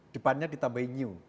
depannya ditambahin new